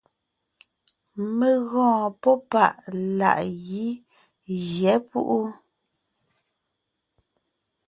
Mé gɔɔn póŋ páʼ láʼ gí gyɛ́ púʼu.